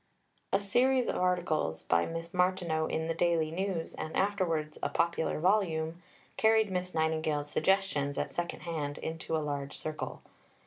A series of articles by Miss Martineau in The Daily News, and afterwards a popular volume, carried Miss Nightingale's suggestions, at second hand, into a large circle.